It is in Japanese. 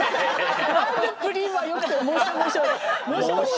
何で「プリン」はよくて「もしゃもしゃ」は。